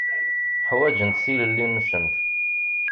Ḥwaǧent tilelli-nsent.